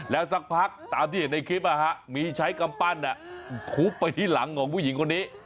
แล้วสักพักตามที่เห็นในคลิปมีใช้กำปั้นทุบไปที่หลังของผู้หญิงคนนี้